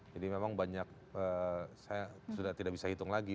jadi memang banyak saya sudah tidak bisa hitung lagi